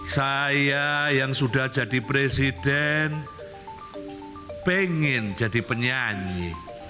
saya yang sudah jadi presiden pengen jadi penyanyi